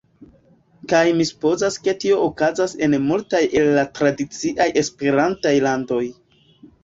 Kaj mi supozas ke tio okazas en multaj el la tradiciaj Esperantaj landoj.